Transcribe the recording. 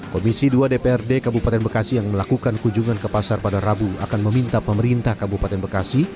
komisi dua dprd kabupaten bekasi yang melakukan kunjungan ke pasar pada rabu akan meminta pemerintah kabupaten bekasi